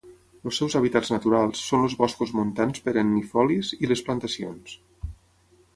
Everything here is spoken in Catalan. Els seus hàbitats naturals són els boscos montans perennifolis i les plantacions.